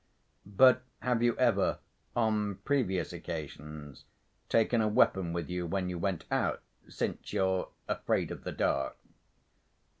"But have you ever on previous occasions taken a weapon with you when you went out, since you're afraid of the dark?"